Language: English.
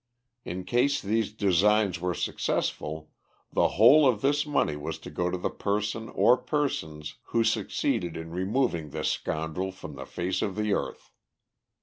In case these designs were successful, the whole of this money was to go to the person or persons who succeeded in removing this scoundrel from the face of the earth.